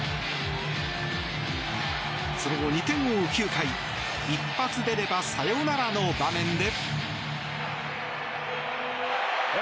その後、２点を追う９回１発出ればサヨナラの場面で。